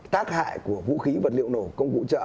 tác hại của vũ khí vật liệu nổ công cụ trợ